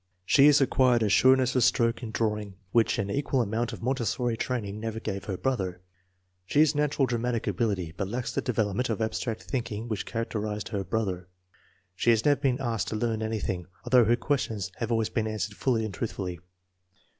She has acquired a sure ness of stroke in drawing which an equal amount of Montessori training never gave her brother. She has natural dramatic ability, but lacks the development of abstract thinking which characterized her brother. She has never been asked to learn anything, although her questions have always been answered fully and truthfully.